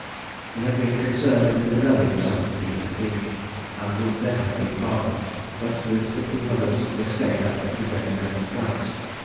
He had been concerned in the rebellion of 1715, and would then have been pardoned, but with fifteen others he escaped out of Newgate, and went to France.